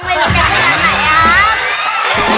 ไม่รู้จะคุยกันอะไรครับ